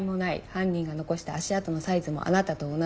犯人が残した足跡のサイズもあなたと同じ。